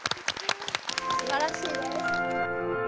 すばらしいです。